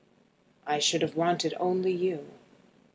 "I should have wanted only you."